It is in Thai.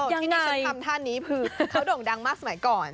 ที่ได้ทำท่านี้เขาด่งดังมากสมัยก่อน